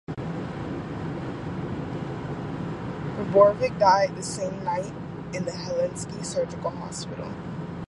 Bobrikov died the same night in the Helsinki surgical hospital.